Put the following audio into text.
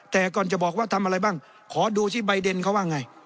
แต่ก่อนจะบอกว่าทำอะไรบ้างขอดูที่ใบเดนเขาว่าไง